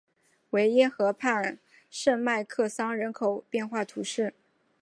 维耶河畔圣迈克桑人口变化图示